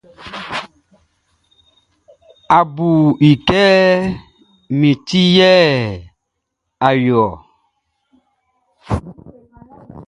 A bu i kɛ min ti yɛ a yo ɔ.